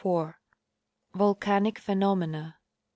145 ' Volcanic Phenomena.